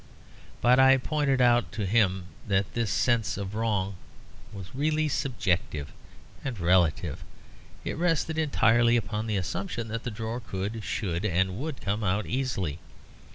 But I pointed out to him that this sense of wrong was really subjective and relative; it rested entirely upon the assumption that the drawer could, should, and would come out easily.